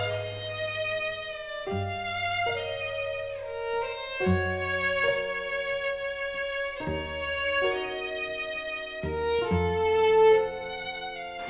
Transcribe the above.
ไม่ไปเถอะ